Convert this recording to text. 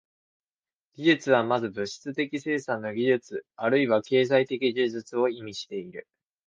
技術は先ず物質的生産の技術あるいは経済的技術を意味している。